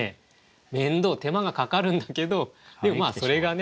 面倒手間がかかるんだけどでもそれがね